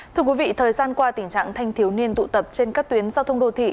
thưa quý vị thời gian qua tình trạng thanh thiếu niên tụ tập trên các tuyến giao thông đô thị